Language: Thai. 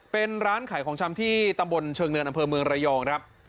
เป็นร้านขายของชำที่ตำบลเชิงเนินอำเภอเมืองระยองครับ